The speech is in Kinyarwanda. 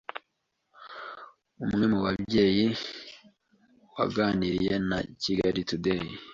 umwe mu babyeyi waganiriye na kigali today